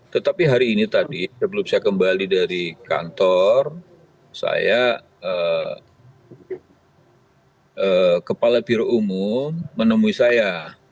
tetapi hari ini tadi sebelum saya kembali dari kantor saya kepala biro umum menemui saya